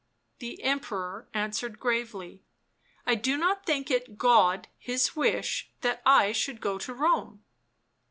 The Emperor answered gravely :" I do not think it God His wish that I should go to Rome."